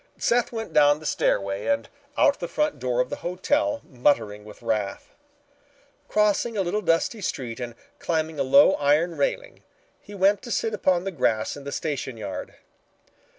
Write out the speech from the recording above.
Seth went down the stairway and out at the front door of the hotel muttering with wrath. Crossing a little dusty street and climbing a low iron railing, he went to sit upon the grass in the station yard.